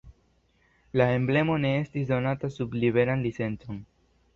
La emblemo ne estis donata sub liberan licencon.